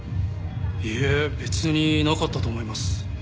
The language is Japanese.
いえ別になかったと思います。